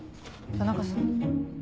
田中さん。